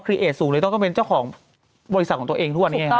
พูดจริง